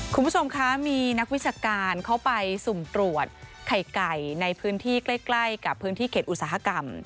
คุณผู้ชมคะมีนักวิชาการเขาไปสุ่มตรวจไข่ไก่ในพื้นที่ใกล้กับพื้นที่เขตอุตสาหกรรม